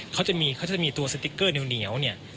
เขาจะมีตัวสติกเกอร์เหนียวเนี่ย